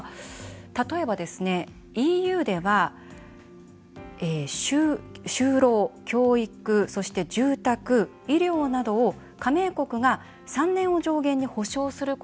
例えばＥＵでは就労・教育そして住宅・医療などを加盟国が３年を上限に保障することになっています。